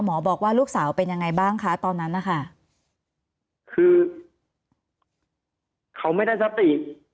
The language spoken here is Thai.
บอกว่าลูกสาวเป็นยังไงบ้างคะตอนนั้นนะคะคือเขาไม่ได้สติ